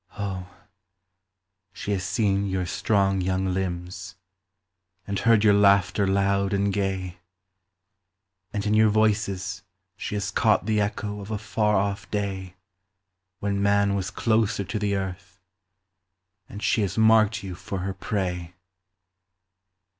Oh! she has seen your strong young limbs, And heard your laughter loud and gay, And in your voices she has caught The echo of a far off day, When man was closer to the earth; And she has marked you for her prey.